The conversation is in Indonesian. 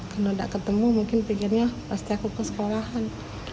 kalo gak ketemu mungkin pikirnya pasti aku ke sekolahan